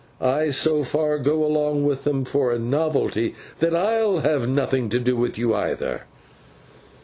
I so far go along with them for a novelty, that I'll have nothing to do with you either.